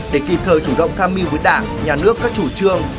để kịp thời chủ động tham mưu với đảng nhà nước các chủ trương